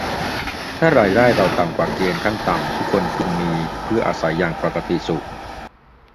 ถ้ารายได้เราต่ำกว่าเกณฑ์ขั้นต่ำที่คนพึงมีเพื่ออาศัยอย่างปกติสุข